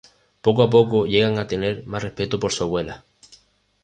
Poco a poco llegan a tener más respeto por su abuela.